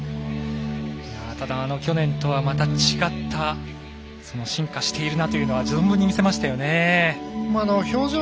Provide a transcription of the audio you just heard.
去年とはまた違った進化しているなというのは表情に出ていますよね。